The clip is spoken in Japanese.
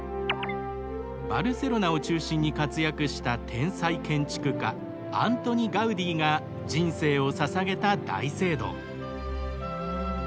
バルセロナを中心に活躍した天才建築家アントニ・ガウディが人生をささげた大聖堂。